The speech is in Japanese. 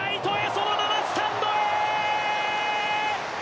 そのままスタンドへ！